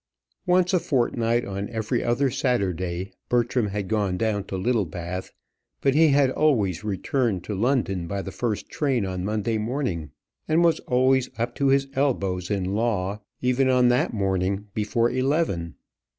Once a fortnight, on every other Saturday, Bertram had gone down to Littlebath, but he had always returned to London by the first train on Monday morning, and was always up to his elbows in law, even on that morning, before eleven.